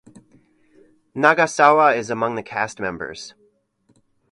Nagasawa is among the cast members.